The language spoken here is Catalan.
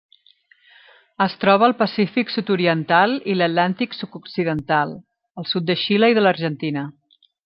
Es troba al Pacífic sud-oriental i l'Atlàntic sud-occidental: el sud de Xile i de l'Argentina.